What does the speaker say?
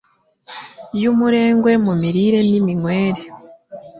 y’umurengwe mu mirire n’iminywere.